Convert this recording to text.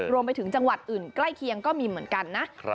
รวมไปถึงจังหวัดอื่นใกล้เคียงก็มีเหมือนกันนะ